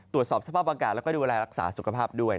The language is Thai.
ตรวจสอบสภาพอากาศแล้วก็ดูแลรักษาสุขภาพด้วย